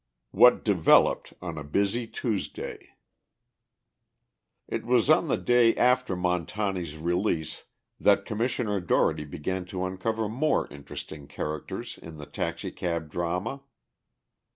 What Developed on a Busy Tuesday It was on the day after Montani's release that Commissioner Dougherty began to uncover more interesting characters in the taxicab drama.